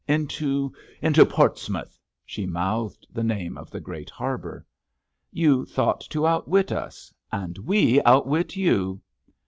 "Into—into Portsmouth." She mouthed the name of the great harbour. "You thought to outwit us, and we outwit you!"